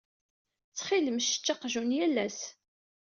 Ttxil-m ssečč aqjun yal ass.